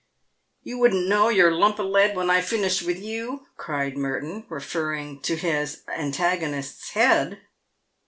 " You won't know your ' lump o' lead' when I've finished with you," cried Merton, referring to his antagonist's head.